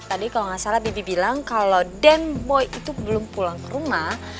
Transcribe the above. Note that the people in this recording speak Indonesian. tadi kalau nggak salah bibi bilang kalau den boy itu belum pulang ke rumah